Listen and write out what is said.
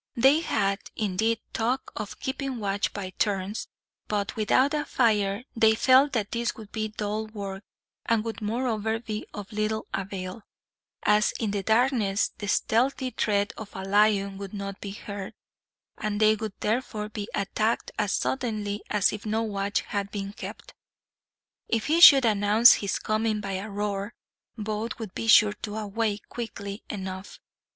They had, indeed, talked of keeping watch by turns; but without a fire, they felt that this would be dull work; and would moreover be of little avail, as in the darkness the stealthy tread of a lion would not be heard, and they would therefore be attacked as suddenly as if no watch had been kept. If he should announce his coming by a roar, both would be sure to awake, quickly enough.